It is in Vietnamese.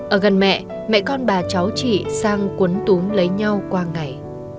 ở gần mẹ mẹ con bà cháu chị sang quấn túm lấy nhau qua ngày